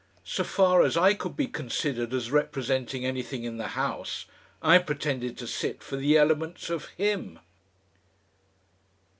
So far as I could be considered as representing anything in the House, I pretended to sit for the elements of HIM....